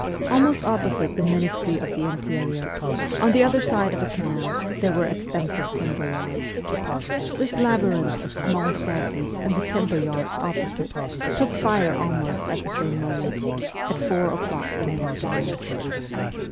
Almost oppo site the Ministry of the Interior, on the other side of a canal, there were extensive timber yards. This laby rinth of small shanties and the timber yards opposite took fire almost at the same moment, at four o'clock in the afternoon.